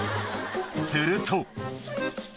すると。